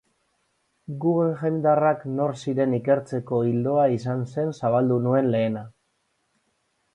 Guggenheimdarrak nor ziren ikertzeko ildoa izan zen zabaldu nuen lehena.